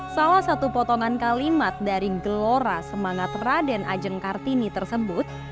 salah satu potongan kalimat dari gelora semangat raden ajeng kartini tersebut